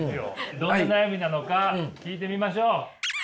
どんな悩みなのか聞いてみましょう！